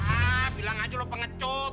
ah bilang aja lo pengecut